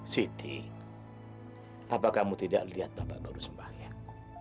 siti apa kamu tidak lihat bapak baru sembahyang